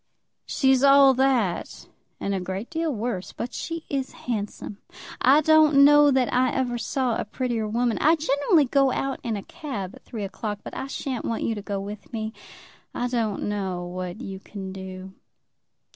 "She's all that, and a great deal worse. But she is handsome. I don't know that I ever saw a prettier woman. I generally go out in a cab at three o'clock, but I sha'n't want you to go with me. I don't know what you can do.